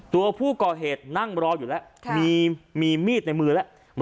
ตัวผู้ก่อเหตุนั่งรออยู่แล้วมีมีดในมือแล้ว